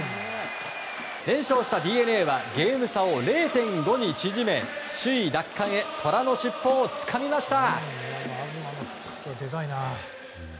連勝したＤｅＮＡはゲーム差を０．５に縮め首位奪還へ虎の尻尾をつかみました。